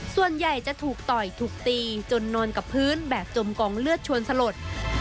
ส่วนใหญ่จะถูกต่อยถูกตีจนนอนกับพื้นแบบจมกองเลือดชวนสลด